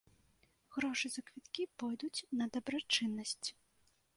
Грошы за квіткі пойдуць на дабрачыннасць.